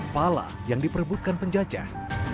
pala yang diperebutkan penjajah